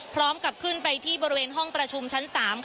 พร้อมกับขึ้นไปที่บริเวณห้องประชุมชั้น๓